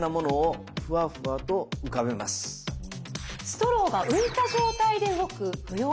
ストローが浮いた状態で動く浮揚